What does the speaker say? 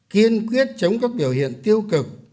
kiên quyết chống các biểu hiện tiêu cực